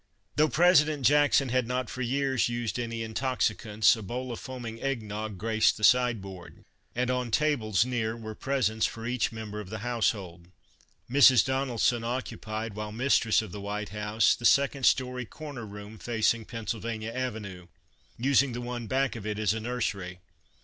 Though President Jackson had not for years used any intoxicants, a bowl of foaming egg nog graced the side board, and on tables near were presents for each member of the household. Mrs. Donelson occupied, while mistress of the White House, the second story corner room facing Penn sylvania Avenue, using the one back of it as a nursery.